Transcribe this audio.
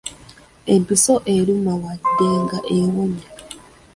Empiso eruma wadde nga ewonya.